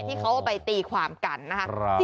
ที่เขาไปตีความกันนะครับ